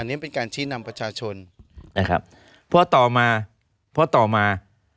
อันนี้เป็นการชี้นำประชาชนนะครับพอต่อมาพอต่อมา